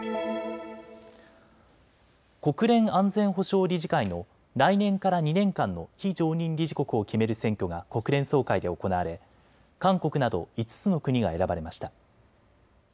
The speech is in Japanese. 国連安全保障理事会の来年から２年間の非常任理事国を決める選挙が国連総会で行われ韓国など５つの国が選ばれました。